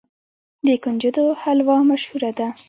د کنجدو حلوه مشهوره ده.